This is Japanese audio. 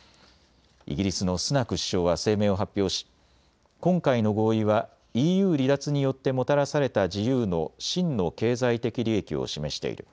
イギリスのスナク首相は声明を発表し今回の合意はＥＵ離脱によってもたらされた自由の真の経済的利益を示している。